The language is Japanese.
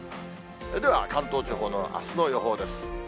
では関東地方のあすの予報です。